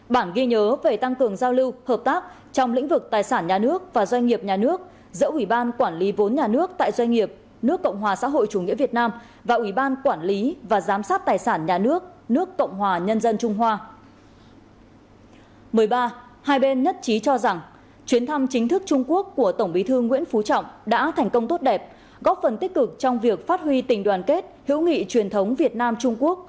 bản ghi nhớ giữa bộ tài nguyên và môi trường nước cộng hòa xã hội chủ nghĩa việt nam và bộ thương mại nước cộng hòa nhân dân trung hoa về tăng cường hợp tác bảo đảm chuỗi cung ứng việt trung